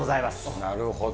なるほど。